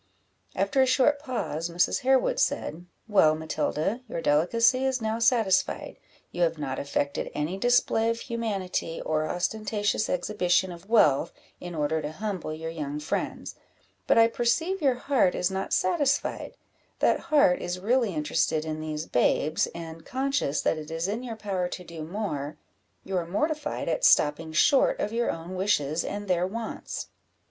After a short pause, Mrs. Harewood said "Well, Matilda, your delicacy is now satisfied you have not affected any display of humanity, or ostentatious exhibition of wealth, in order to humble your young friends; but I perceive your heart is not satisfied; that heart is really interested in these babes, and, conscious that it is in your power to do more, you are mortified at stopping short of your own wishes and their wants."